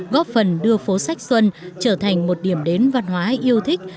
góp phần đưa phố sách xuân trở thành một điểm đến văn hóa yêu thích